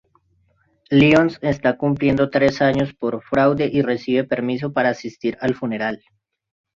Lyons está cumpliendo tres años por fraude y recibe permiso para asistir al funeral.